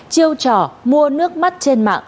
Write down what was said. chiêu trò mua nước mắt trên mạng